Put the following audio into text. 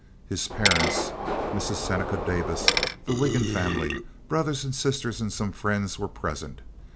His parents, Mrs. Seneca Davis, the Wiggin family, brothers and sisters, and some friends were present.